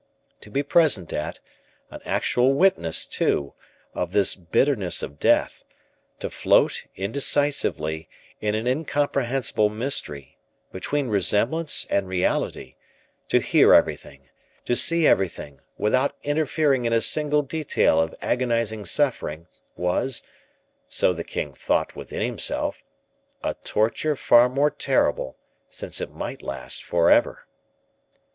To be present at an actual witness, too of this bitterness of death; to float, indecisively, in an incomprehensible mystery, between resemblance and reality; to hear everything, to see everything, without interfering in a single detail of agonizing suffering, was so the king thought within himself a torture far more terrible, since it might last forever.